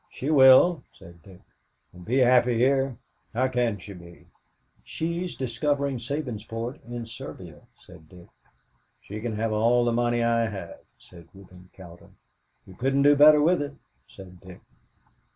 "She will," said Dick. "And be happy here! How can she be?" "She's discovering Sabinsport in Serbia," said Dick. "She can have all the money I have," said Reuben Cowder. "You couldn't do better with it," said Dick.